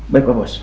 baik pak bos